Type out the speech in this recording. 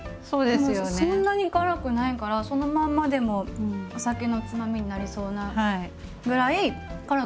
でもそんなに辛くないからそのまんまでもお酒のつまみになりそうなぐらい辛くないです。